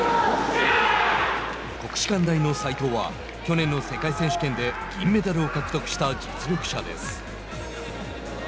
国士舘大の斉藤は去年の世界選手権で銀メダルを獲得した実力者です。